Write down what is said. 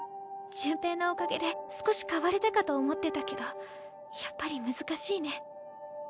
潤平のおかげで少し変われたかと思ってたけどやっぱり難しいね。